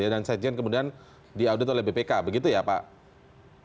dan sekjen kemudian diaudit oleh bpk begitu ya pak